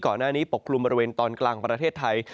ก่อนหน้านี้ปกกลุ่มบริเวณตอนกลางประเทศไทย